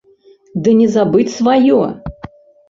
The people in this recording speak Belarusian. Ды не забыць сваё!